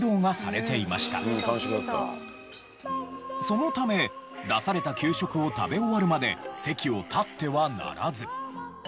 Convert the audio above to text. そのため出された給食を食べ終わるまで席を立ってはならず。